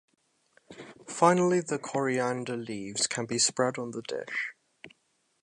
Finally the coriander leaves can be spread on the dish.